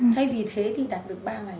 thay vì thế thì đặt được ba ngày